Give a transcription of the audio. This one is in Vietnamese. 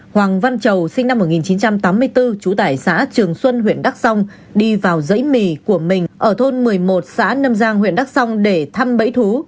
hoàng văn chầu sinh năm một nghìn chín trăm tám mươi bốn trú tải xã trường xuân huyện đắc song đi vào dãy mì của mình ở thôn một mươi một xã nâm giang huyện đắc song để thăm bẫy thú